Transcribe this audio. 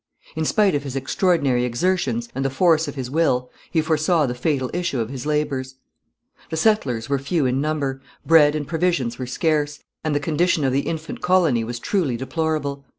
In spite of his extraordinary exertions and the force of his will, he foresaw the fatal issue of his labours. The settlers were few in number, bread and provisions were scarce, and the condition of the infant colony was truly deplorable.